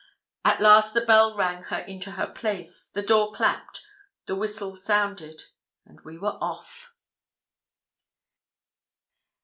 At last the bell rang her into her place, the door clapt, the whistle sounded, and we were off.